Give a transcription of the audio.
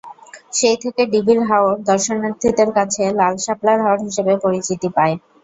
সেই থেকে ডিবির হাওর দর্শনার্থীদের কাছে লাল শাপলার হাওর হিসেবে পরিচিতি পায়।